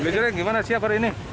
dijering gimana siap hari ini